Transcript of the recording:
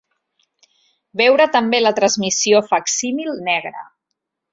Veure també la transmissió facsímil negre.